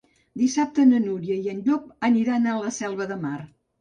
Dissabte na Núria i en Llop aniran a la Selva de Mar.